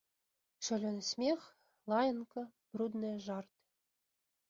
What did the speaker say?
Шалёны смех, лаянка, брудныя жарты.